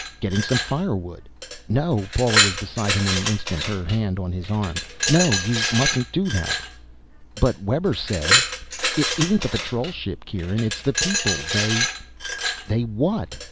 "Getting some firewood." "No." Paula was beside him in an instant, her hand on his arm, "No, you mustn't do that." "But Webber said " "It isn't the patrol ship, Kieran. It's the people. They " "They what?"